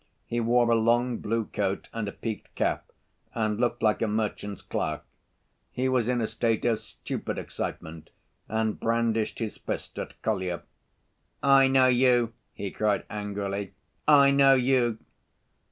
He wore a long blue coat and a peaked cap, and looked like a merchant's clerk. He was in a state of stupid excitement and brandished his fist at Kolya. "I know you!" he cried angrily, "I know you!"